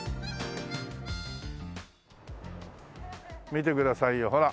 見てくださいよほら。